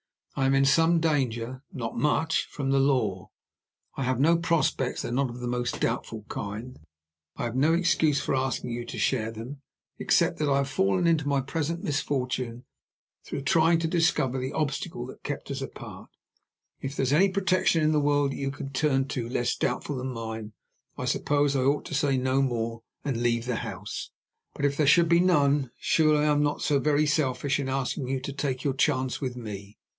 I am in some danger, not much, from the law. I have no prospects that are not of the most doubtful kind; and I have no excuse for asking you to share them, except that I have fallen into my present misfortune through trying to discover the obstacle that kept us apart. If there is any protection in the world that you can turn to, less doubtful than mine, I suppose I ought to say no more, and leave the house. But if there should be none, surely I am not so very selfish in asking you to take your chance with me?